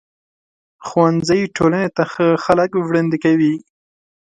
ښوونځی ټولنې ته ښه خلک وړاندې کوي.